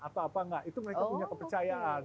atau apa enggak itu mereka punya kepercayaan